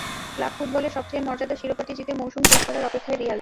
Club ফুটবলে সবচেয়ে মর্যাদার শিরোপাটি জিতে মৌসুম শেষ করার অপেক্ষায় রিয়াল।